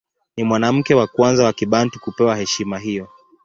Ni mwanamke wa kwanza wa Kibantu kupewa heshima hiyo.